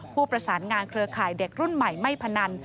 ผู้ประสานงานเครือข่ายเด็กรุ่นใหม่ไม่พนัน